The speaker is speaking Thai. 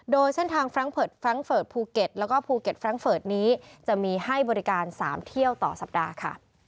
โดยเส้นทางฟรั้งเฟิร์ดฟรั้งเฟิร์ดภูเก็ตและภูเก็ตฟรั้งเฟิร์ดนี้จะมีให้บริการ๓เที่ยวต่อสัปดาห์